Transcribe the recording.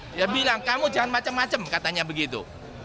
dia bilang kamu jangan macam macam katanya begitu